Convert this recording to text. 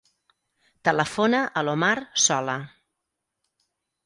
Telefona a l'Omar Sola.